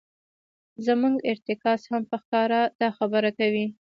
زموږ ارتکاز هم په ښکاره دا خبره کوي.